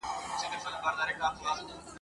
د توکم د نورو وګړو